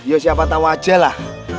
ya siapa tahu aja lah